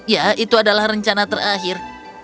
ya itu adalah rencana terakhir